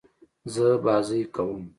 زه بازۍ کوم.